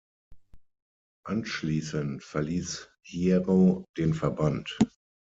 Anschließend verließ Hierro den Verband.